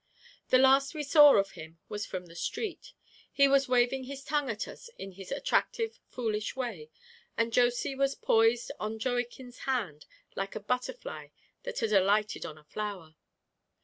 The last we saw of him was from the street. He was waving his tongue at us in his attractive, foolish way, and Josy was poised on Joeykin's hand like a butterfly that had alighted on a flower.